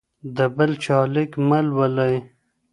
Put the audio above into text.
د بل چا لیک مه ولولئ.